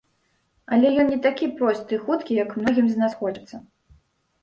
Але ён не такі просты і хуткі, як многім з нас хочацца.